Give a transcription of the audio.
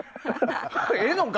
ええのか？